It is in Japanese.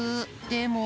でも。